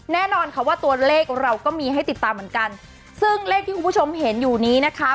แน่นอนค่ะว่าตัวเลขเราก็มีให้ติดตามเหมือนกันซึ่งเลขที่คุณผู้ชมเห็นอยู่นี้นะคะ